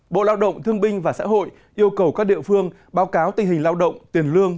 bộ lao động thương binh và xã hội yêu cầu các địa phương báo cáo tình hình lao động tiền lương